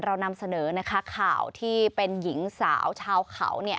เรานำเสนอนะคะข่าวที่เป็นหญิงสาวชาวเขา